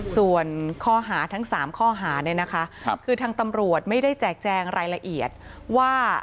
ส่วนข้อหาทั้ง๓ข้อหาเนี่ยนะคะคือทางตำรวจไม่ได้แจกแจงรายละเอียดว่า